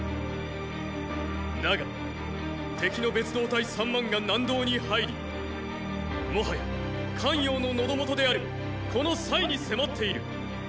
だが敵の別働隊三万が南道に入りもはや咸陽の喉元であるこのに迫っている。